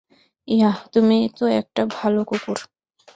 Yeah, তুমি তো একটা ভালো কুকুর।